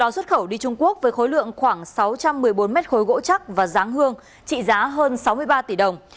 xuất khẩu đi trung quốc với khối lượng khoảng sáu trăm một mươi bốn mét khối gỗ chắc và giáng hương trị giá hơn sáu mươi ba tỷ đồng